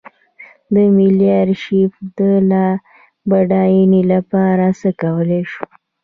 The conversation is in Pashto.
د ملي ارشیف د لا بډاینې لپاره څه کولی شو.